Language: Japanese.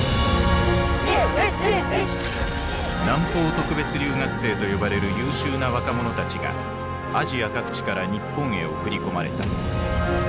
南方特別留学生と呼ばれる優秀な若者たちがアジア各地から日本へ送り込まれた。